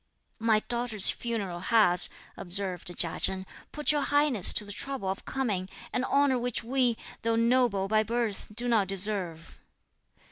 "My daughter's funeral has," observed Chia Chen, "put your Highness to the trouble of coming, an honour which we, though noble by birth, do not deserve."